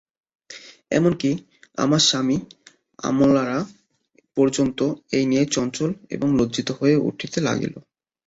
এমন-কি, আমার স্বামীর আমলারা পর্যন্ত এই নিয়ে চঞ্চল এবং লজ্জিত হয়ে উঠতে লাগল।